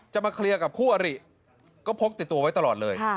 จะมาเคลียร์กับคู่อริก็พกติดตัวไว้ตลอดเลย